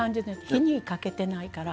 火にかけてないから。